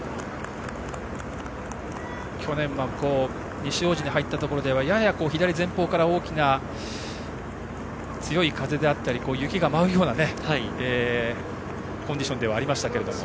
去年は西大路に入ったところではやや左前方から強い風であったり雪が舞うようなコンディションではありましたけども。